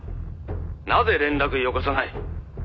なぜ連絡よこさない？」